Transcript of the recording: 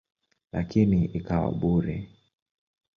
Lakini ikawa bure.